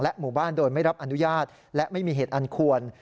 หมู่บ้านโดยไม่รับอนุญาตและไม่มีเหตุอันควร